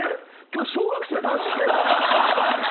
今日小学生男子来てる？